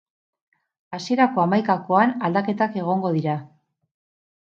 Hasierako hamaikakoan aldaketak egongo dira.